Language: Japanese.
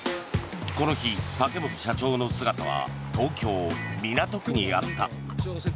この日、竹本社長の姿は東京・港区にあった。